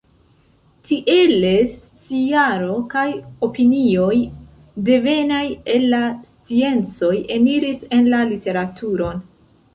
Tiele sciaro kaj opinioj devenaj el la sciencoj eniris en la literaturon.